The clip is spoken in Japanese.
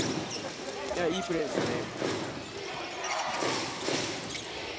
いいプレーですね。